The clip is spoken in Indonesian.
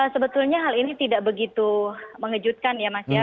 sebetulnya hal ini tidak begitu mengejutkan ya mas ya